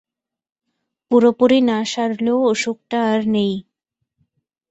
পুরোপুরি না সারলেও অসুখটা আর নেই।